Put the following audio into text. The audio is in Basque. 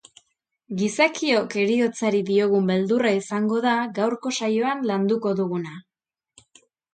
Gizakiok heriotzari diogun beldurra izango da gaurko saioan landuko duguna.